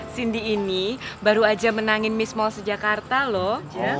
cindy ini baru aja menangin miss mall sejakarta loh